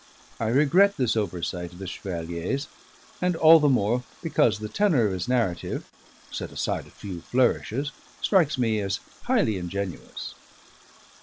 I regret this oversight of the Chevalier's, and all the more because the tenor of his narrative (set aside a few flourishes) strikes me as highly ingenuous.